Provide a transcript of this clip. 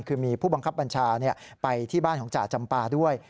คือมีผู้บังคับบัญชาไปที่บ้านของจ่าจำปาด้วย